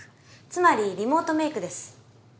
つまりリモートメイクです。